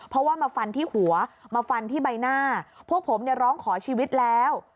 เพราะว่ามาฟันที่หัวมาฟันที่ใบหน้าพวกผมเนี่ยร้องขอชีวิตแล้ว